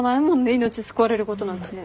命救われることなんてね。